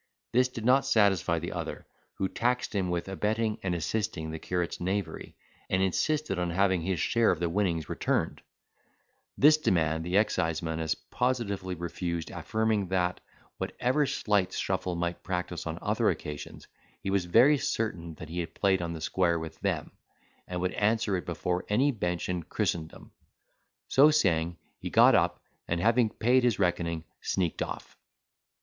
This did not satisfy the other, who taxed him with abetting and assisting the curate's knavery, and insisted on having his share of the winnings returned; this demand the exciseman as positively refused affirming that, whatever sleights Shuffle might practise on other occasions, he was very certain that he had played on the square with them, and would answer it before any bench in Christendom; so saying, he got up and, having paid his reckoning, sneaked off.